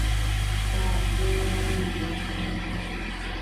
ha iñaranduve